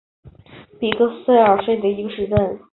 比克费尔德是奥地利施蒂利亚州魏茨县的一个市镇。